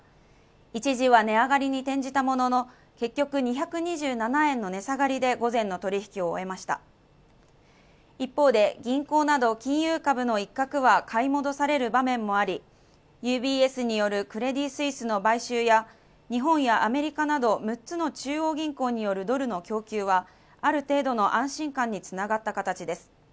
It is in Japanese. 一時は値上がりに転じたものの、結局２２７円の値下がりで午前の取引を終えました一方で、銀行など金融株の一角は買い戻される場面もあり、ＵＢＳによるクレディ・スイスの買収や、日本やアメリカなど六つの中央銀行によるドルの供給はある程度の安心感に繋がった形です。